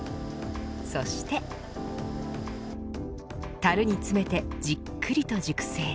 そしてたるに詰めてじっくりと熟成。